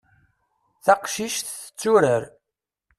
Taqcic tetturar.